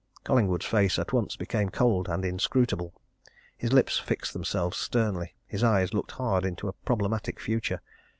Collingwood's face at once became cold and inscrutable; his lips fixed themselves sternly; his eyes looked hard into a problematic future.